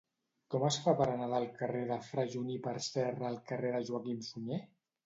Com es fa per anar del carrer de Fra Juníper Serra al carrer de Joaquim Sunyer?